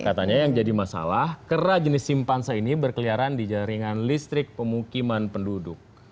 katanya yang jadi masalah kera jenis simpansa ini berkeliaran di jaringan listrik pemukiman penduduk